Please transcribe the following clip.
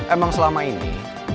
emang selama ini